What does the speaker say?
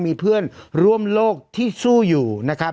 มีเพื่อนร่วมโลกที่สู้อยู่นะครับ